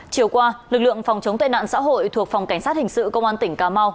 chiều qua lực lượng phòng chống tệ nạn xã hội thuộc phòng cảnh sát hình sự công an tỉnh cà mau